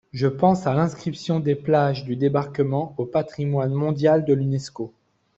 Je pense à l’inscription des plages du débarquement au patrimoine mondial de l’Unesco.